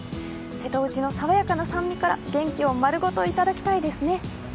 瀬戸内の爽やかな酸味から元気を丸ごといただきたいですね。